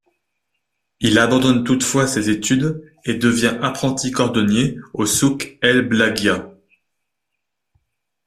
Il abandonne toutefois ses études et devient apprenti cordonnier au souk El Blaghgia.